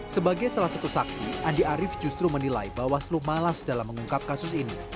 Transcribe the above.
sebagai salah satu saksi andi arief justru menilai bawaslu malas dalam mengungkap kasus ini